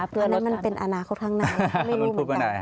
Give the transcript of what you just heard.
อาณาเขาของเขามันพูดเมื่อการ